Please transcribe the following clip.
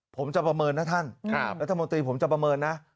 ผมจะประเมินนะท่านรัฐมนตรีผมจะประเมินนะ